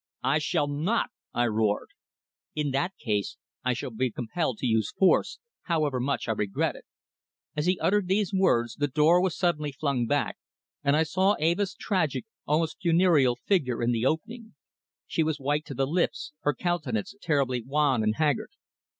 "I shall not," I roared. "In that case I shall be compelled to use force, however much I regret it." As he uttered these words the door was suddenly flung back, and I saw Eva's tragic, almost funereal, figure in the opening. She was white to the lips, her countenance terribly wan and haggard.